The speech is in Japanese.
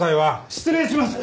失礼します！